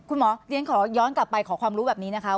คุณหมอเรียนขอย้อนกลับไปขอความรู้แบบนี้นะคะ